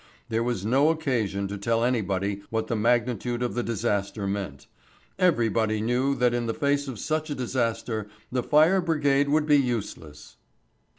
There was no occasion to tell anybody what the magnitude of the disaster meant. Everybody knew that in the face of such a disaster the fire brigade would be useless.